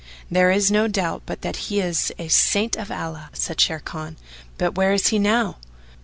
"There is no doubt but that he is a Saint of Allah," said Sharrkan, "but where is he now?"